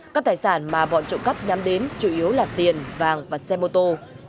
các tài sản mà bọn trộm cắp nhắm đến chủ yếu là tiền vàng và xe mô tô